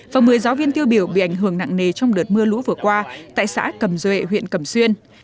và một mươi giáo viên tiêu biểu bị ảnh hưởng nặng nề trong đợt mưa lũ vừa qua tại xã cầm duệ huyện cầm xuyên